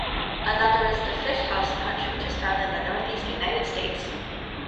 Another is the Fish House Punch which is found in the Northeast United States.